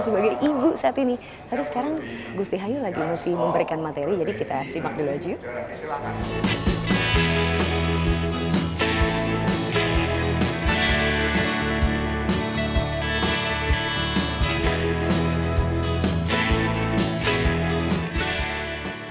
sebagai ibu saat ini tapi sekarang gustihayu lagi masih memberikan materi jadi kita simak dulu aja yuk silakan